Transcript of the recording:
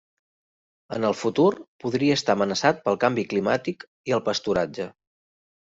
En el futur podria estar amenaçat pel canvi climàtic i el pasturatge.